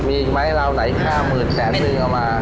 มีไหมเราไหนค่าหมื่นแผนซึ้งออกมา